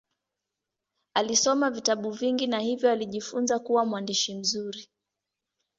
Alisoma vitabu vingi na hivyo alijifunza kuwa mwandishi mzuri.